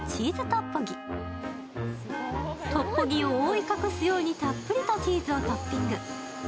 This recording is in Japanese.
トッポギを覆い隠すようにたっぷりとチーズをトッピング。